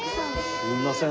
すいません。